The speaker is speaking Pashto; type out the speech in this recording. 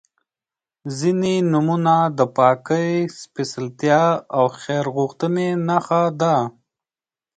• ځینې نومونه د پاکۍ، سپېڅلتیا او خیر غوښتنې نښه ده.